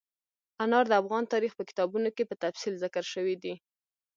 انار د افغان تاریخ په کتابونو کې په تفصیل ذکر شوي دي.